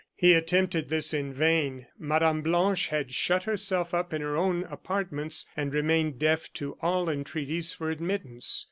He attempted this in vain. Mme. Blanche had shut herself up in her own apartments, and remained deaf to all entreaties for admittance.